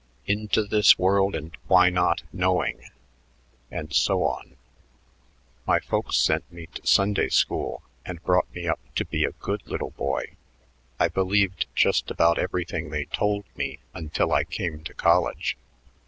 'Into this world and why not knowing,' and so on. My folks sent me to Sunday school and brought me up to be a good little boy. I believed just about everything they told me until I came to college.